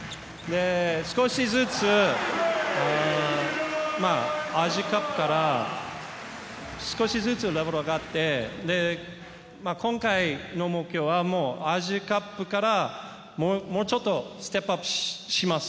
少しずつアジアカップから少しずつレベルが上がって今回の目標はアジアカップからもうちょっとステップアップします。